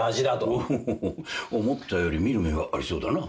おお思ったより見る目がありそうだな。